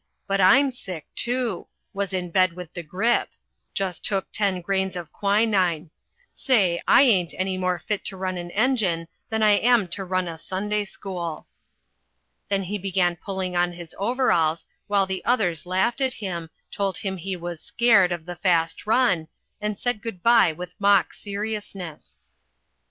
But I'm sick, too. Was in bed with the grip. Just took ten grains of quinine. Say, I ain't any more fit to run an engine than I am to run a Sunday school." Then he began pulling on his overalls, while the others laughed at him, told him he was "scared" of the fast run, and said good by with mock seriousness.